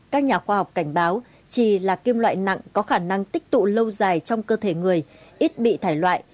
các nhà khoa học cảnh báo chi là kim loại nặng có khả năng tích tụ lâu dài trong cơ thể người ít bị thải loại